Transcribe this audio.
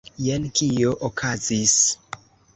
Jen kio okazis.